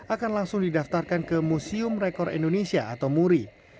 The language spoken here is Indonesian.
akan langsung didaftarkan ke museum rekor indonesia atau muri